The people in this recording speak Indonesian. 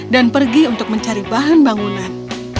dan pergi untuk mencari bahan bangunan